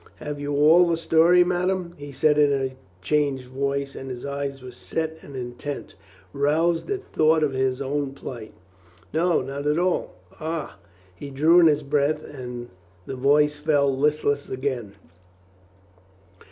"Have you all the story, madame?" he said in a changed voice, and his eyes were set and intent, roused at thought of his own plight. "No, not all." "Ah!" He drew in his breath and the voice fell listless again.